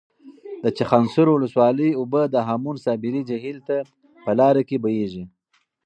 د چخانسور ولسوالۍ اوبه د هامون صابري جهیل ته په لاره کې بهیږي.